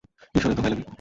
ঈশ্বরের দোহাই লাগে।